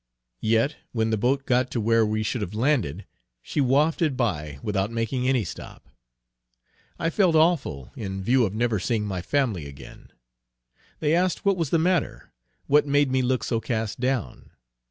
Yet when the boat got to where we should have landed, she wafted by without making any stop. I felt awful in view of never seeing my family again; they asked what was the matter? what made me look so cast down?